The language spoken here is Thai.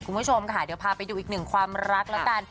คุณผู้ชมค่ะเดี๋ยวพาไปดูอีกหนึ่งความรักแล้วกัน